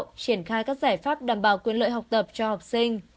triển khai các giải pháp đảm bảo quyền lợi học tập cho học sinh